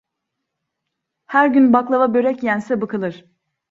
Her gün baklava börek yense bıkılır.